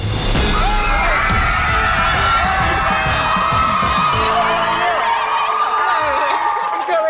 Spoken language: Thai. มันเกิดอะไรขึ้น